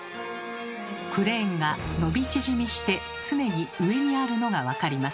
クレーンが伸び縮みして常に上にあるのが分かります。